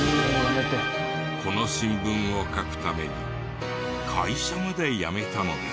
この新聞を描くために会社まで辞めたのです。